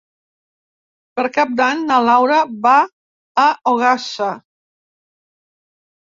Per Cap d'Any na Laura va a Ogassa.